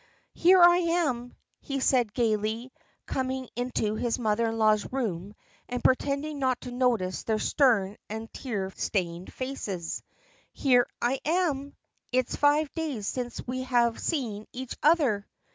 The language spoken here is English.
"Here I am," he said gaily, coming into his mother in law's room and pretending not to notice their stern and tear stained faces. "Here I am! It's five days since we have seen each other!"